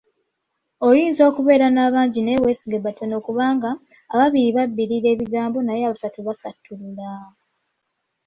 Oyinza okubeera n'abangi naye weesige batono kubanga,"ababiri babibira ebigambo naye abasatu babisattula".